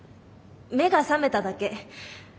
目が覚めただけ。